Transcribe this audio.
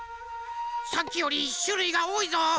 さっきよりしゅるいがおおいぞ。